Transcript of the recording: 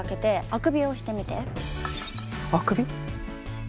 あくび？